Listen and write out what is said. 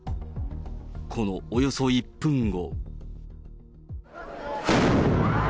このおよそ１分後。